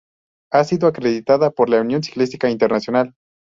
Ha sido acreditada por la Unión Ciclista Internacional.